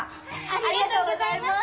ありがとうございます！